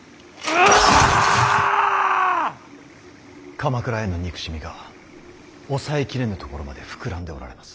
鎌倉への憎しみが抑え切れぬところまで膨らんでおられます。